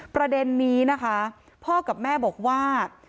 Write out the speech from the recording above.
ประเด็นนี้นะคะพ่อกับแม่บอกว่า